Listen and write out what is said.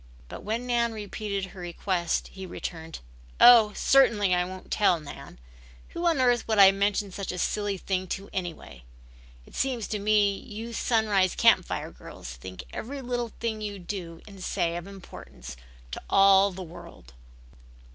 But when Nan repeated her request he returned. "Oh, certainly I won't tell, Nan. Who on earth would I mention such a silly thing to anyway? It seems to me you Sunrise Camp Fire girls think every little thing you do and say of importance to all the world."